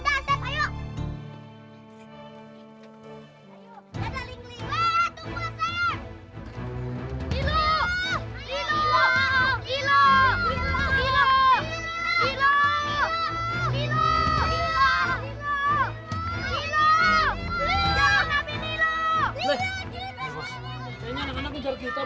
bos kayaknya anak anak penjara kita